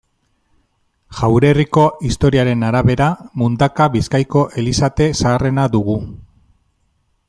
Jaurerriko historiaren arabera, Mundaka Bizkaiko elizate zaharrena dugu.